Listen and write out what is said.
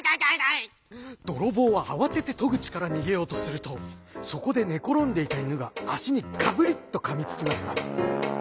泥棒は慌てて戸口から逃げようとするとそこで寝転んでいた犬が足にガブリッとかみつきました。